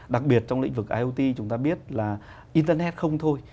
đặc biệt trong lĩnh vực iot chúng ta biết là internet không thôi